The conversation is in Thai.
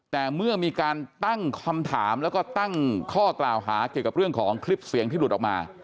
แต่เมื่อมีการตั้งคำถามแล้วก็ตั้งข้อกล่าวหาเกี่ยวกับเรื่องของคลิปเสียงที่หลุดออกมา